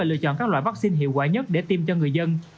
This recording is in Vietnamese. lựa chọn các loại vaccine hiệu quả nhất để tiêm cho người dân